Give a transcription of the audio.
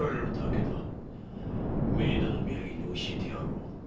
冥途の土産に教えてやろう。